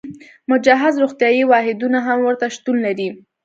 مجهز روغتیايي واحدونه هم ورته شتون لري.